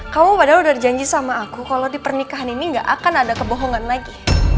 kamu padahal udah janji sama aku kalau di pernikahan ini gak akan ada kebohongan lagi